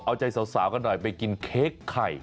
เอาใจสาวกันหน่อยไปกินเค้กไข่